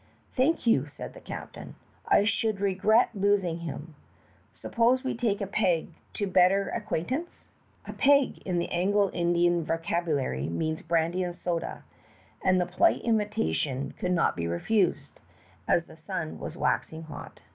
"Thank you," said the captain. "I should regret losing him. Suppose we take a peg to better acquaintance? " A "peg" in the Anglo Indian vocabulary means brandy and soda, and the polite invitation could not be refused, as the sun was waxing hot.